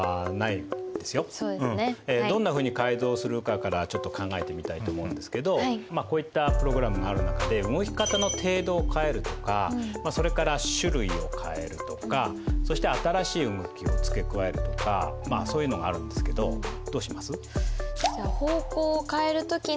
「どんなふうに改造するか」からちょっと考えてみたいと思うんですけどこういったプログラムがある中で動き方の程度を変えるとかそれから種類を変えるとかそして新しい動きを付け加えるとかそういうのがあるんですけどどうします？